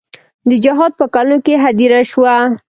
د جهاد په کلونو کې هدیره شوه.